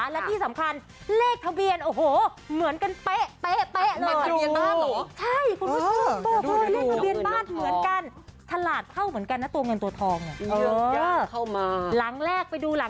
และที่สำคัญเลขทะเบียนโอ้โหเหมือนกันเป๊ะเลย